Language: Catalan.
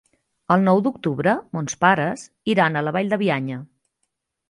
El nou d'octubre mons pares iran a la Vall de Bianya.